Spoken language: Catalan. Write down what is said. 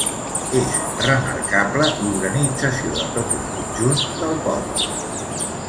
És remarcable l'organització de tot el conjunt del poble.